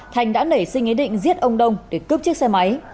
thành đã nảy sinh ý định giết ông đông để cướp chiếc xe máy